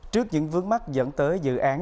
trước những vướng mắt dẫn tới dự án